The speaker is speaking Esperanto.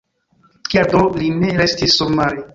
Kial do li ne restis surmare!